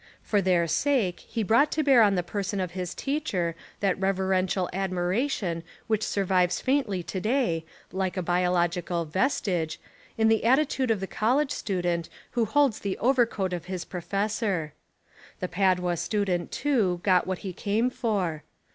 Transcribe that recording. For their sake he brought to bear on the person of his teacher that reverential admiration which sur vives faintly to day, like a biological "ves tige," in the attitude of the college student who 24 The Apology of a Professor holds the overcoat of his professor. The Pad ua student, too, got what he came for.